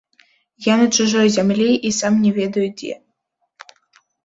Я на чужой зямлi i сам не ведаю дзе.